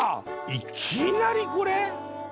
いきなりこれ？